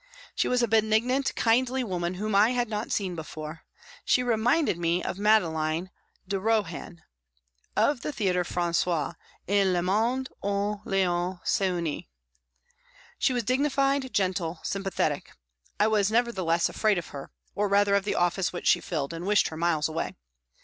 She was a benignant, kindly woman whom I had not seen before ; she reminded me of Madeleine de Rohan, of the Theatre Francais, in Le Monde ou Von s' ennui. She was dignified, gentle, sympathetic. I was nevertheless afraid of her, or rather of the office which she filled, and wished her miles away.